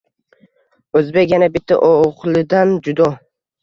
O’zbek yana bitta o’g’lidan judo.